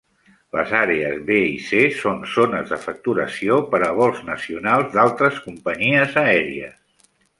Les àrees B i C són zones de facturació per a vols nacionals d'altres companyies aèries.